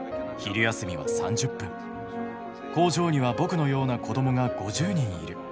工場には僕のような子どもが５０人いる。